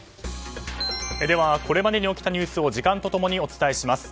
これまでに起きたニュースを時間と共にお伝えします。